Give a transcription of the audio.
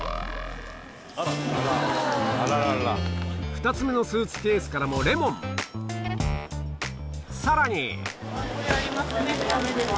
２つ目のスーツケースからもさらに！